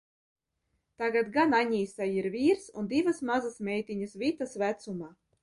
Tagad gan Aņīsai ir vīrs un divas mazas meitiņas Vitas vecumā.